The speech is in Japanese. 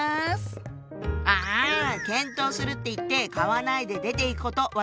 ああ「検討する」って言って買わないで出ていくこと。